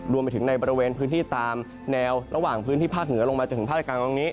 รวมไปถึงในบริเวณพื้นที่ตามแนวระหว่างพื้นที่ภาคเหนือลงมาจนถึงภาคกลางตรงนี้